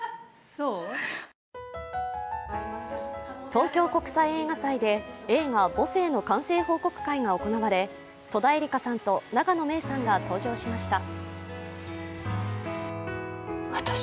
東京国際映画祭で映画「母性」の完成報告会が行われ戸田恵梨香さんと永野芽郁さんが登場しました。